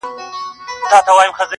چي پکي روح نُور سي، چي پکي وژاړي ډېر,